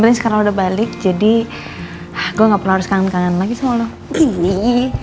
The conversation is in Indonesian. penting sekarang udah balik jadi gua nggak perlu kangen kangen lagi sama lo ini tapi